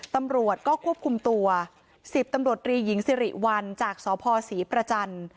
ตำรวจก็ควบคุมตัว๑๐ตำรวจรีหญิงสิริวัลจากสพศรีประจันทร์